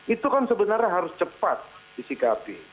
itu kan sebenarnya harus cepat disikapi